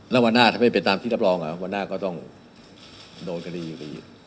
แล้ววันหน้าถ้าไม่เป็นตามที่รับรองวันหน้าก็ต้องโดนคดีไปอีก